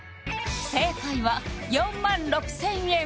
正解は４６０００円！